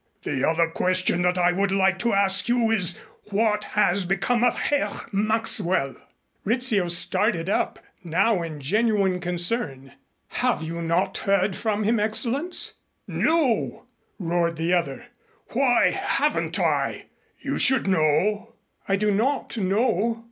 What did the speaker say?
"The other question that I would like to ask you is, what has become of Herr Maxwell?" Rizzio started up, now in genuine concern. "Have you not heard from him, Excellenz?" "No," roared the other. "Why haven't I? You should know." "I do not know.